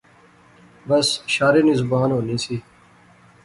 بس شارے نی زبان ہونی سی